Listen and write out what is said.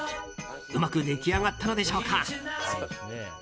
うまくできあがったのでしょうか。